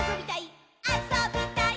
あそびたい！